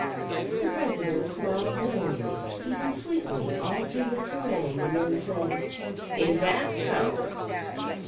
The president smiled blandly, even sweetly, all through this harangue, and then said: "Is that so?"